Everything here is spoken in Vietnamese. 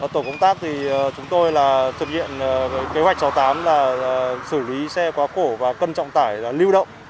tổ công tác chúng tôi là thực hiện kế hoạch sáu mươi tám là xử lý xe quá khổ và cân trọng tải lưu động